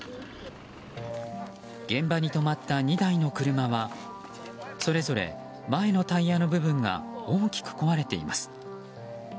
現場に止まった２台の車はそれぞれ前のタイヤの部分が大きく壊れています。